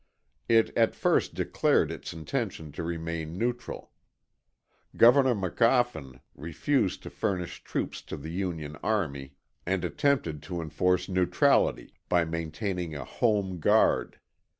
It at first declared its intention to remain neutral. Governor McGoffin refused to furnish troops to the Union army and attempted to enforce neutrality by maintaining a "Home Guard."